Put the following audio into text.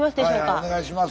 お願いします。